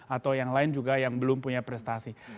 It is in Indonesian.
atau yang lain juga yang belum punya prestasi